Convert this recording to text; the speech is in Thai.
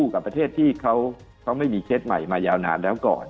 กับประเทศที่เขาไม่มีเคสใหม่มายาวนานแล้วก่อน